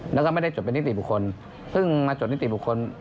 แล้วก็ไม่ได้จดเป็นนิติบุคคลซึ่งมาจดนิติบุคคล